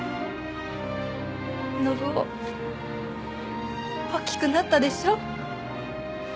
信男大きくなったでしょ？